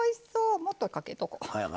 もっとかけとこう！